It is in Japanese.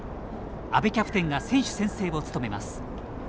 阿部キャプテンが選手宣誓を務めます。